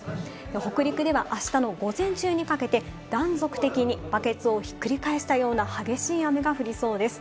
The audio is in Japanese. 北陸ではあしたの午前中にかけて断続的にバケツをひっくり返したような激しい雨が降りそうです。